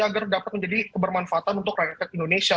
agar dapat menjadi kebermanfaatan untuk rakyat indonesia